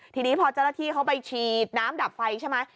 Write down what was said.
ทีนี้พอเจ้าหน้าที่เขาไปฉีดน้ำดับไฟใช่ไหม